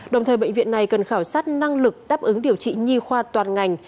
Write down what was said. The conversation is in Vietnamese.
đồng thời bệnh viện này cần khảo sát năng lực đáp ứng điều trị nhi khoa toàn ngành